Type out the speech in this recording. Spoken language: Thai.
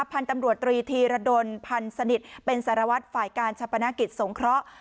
พันธุ์ตำรวจตรีธีรดลพันธ์สนิทเป็นสารวัตรฝ่ายการชะปนกิจสงเคราะห์